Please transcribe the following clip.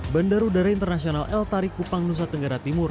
bandar udara internasional el tarik kupang nusa tenggara timur